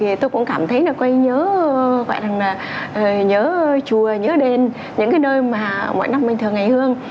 thì tôi cũng cảm thấy là quay nhớ chùa nhớ đền những nơi mà mỗi năm mình thường hành hương